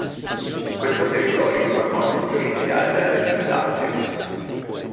Questo territorio formò il nucleo iniziale della Regione Lazio.